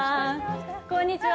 こんにちは。